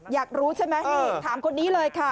อยากรู้ใช่ไหมนี่ถามคนนี้เลยค่ะ